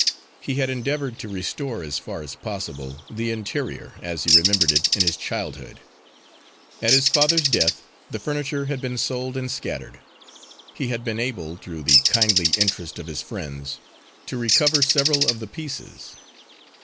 He had endeavoured to restore, as far as possible, the interior as he remembered it in his childhood. At his father's death the furniture had been sold and scattered. He had been able, through the kindly interest of his friends, to recover several of the pieces.